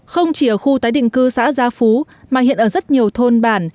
không chỉ ở khu tái định cư xã gia phú mà hiện ở rất nhiều thôn bản